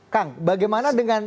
kang bagaimana dengan